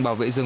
bảo vệ rừng